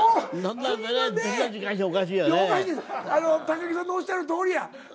高木さんのおっしゃるとおりや。